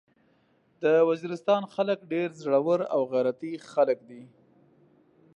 د وزيرستان خلک ډير زړور او غيرتي خلک دي.